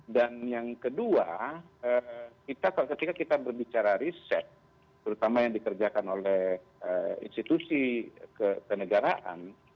dan yang kedua ketika kita berbicara riset terutama yang dikerjakan oleh institusi kepenegaraan